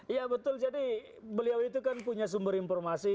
iya betul jadi beliau itu kan punya sumber informasi